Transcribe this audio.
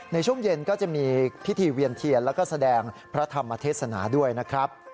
ในช่วงเย็นก็จะมีพิธีเวียนเทียนแล้วก็แสดงพระธรรมเทศนาด้วยนะครับ